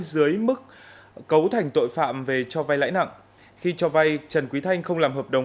dưới mức cấu thành tội phạm về cho vay lãi nặng khi cho vay trần quý thanh không làm hợp đồng